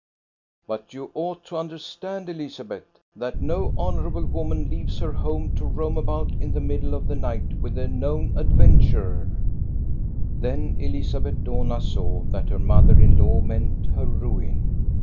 " But you ought to understand, Elizabeth, that no honorable woman leaves her home to roam about in the middle of the night with a known adventurer." Then Elizabeth Dohna saw that her mother in law meant her ruin.